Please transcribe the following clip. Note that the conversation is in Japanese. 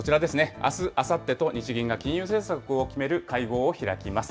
あす、あさってと、日銀が金融政策を決める会合を開きます。